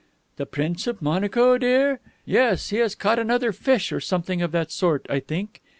"The Prince of Monaco, dear? Yes. He has caught another fish or something of that sort, I think.